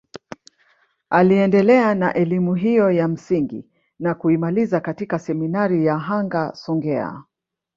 Aliendelea na elimu hiyo ya msingi na kuimaliza katika seminari ya Hanga Songea